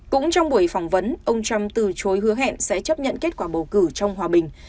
cũng trong buổi phỏng vấn ông trump từ chối hứa hẹn sẽ chấp nhận kết quả bầu cử trong hòa bình